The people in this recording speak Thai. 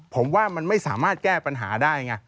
ผมว่ามันไม่สามารถแก้ปัญหาได้ไง